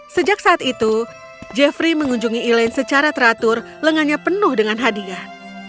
sejak saat itu jeffrey mengunjungi elaine secara teratur lengannya penuh dengan hadiah